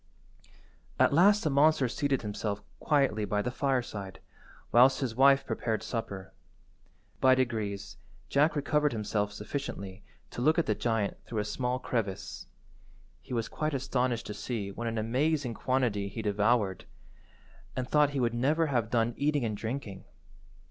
At last the monster seated himself quietly by the fireside, whilst his wife prepared supper. By degrees Jack recovered himself sufficiently to look at the giant through a small crevice. He was quite astonished to see what an amazing quantity he devoured, and thought he would never have done eating and drinking.